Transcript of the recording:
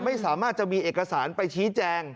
ไม่สามารถจะมีเอกสารไปชี้แจง